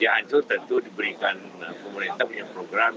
yang hancur tentu diberikan pemerintah punya program